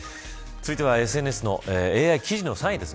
続いてはＡＩ記事の３位です。